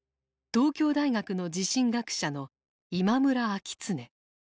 東京大学の地震学者の今村明恒。